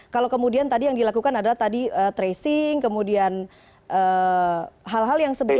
kalau kemudian tadi yang dilakukan adalah tadi tracing kemudian hal hal yang sebelumnya